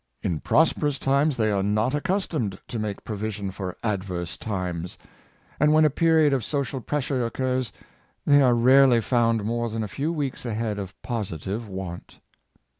In prosperous times they are not accustomed to make provision for adverse times; and when a period of so cial pressure occurs, they are rarely found more than a few weeks ahead of positive want.